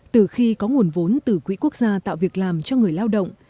từ khi có nguồn vốn từ quỹ quốc gia tạo việc làm cho người lao động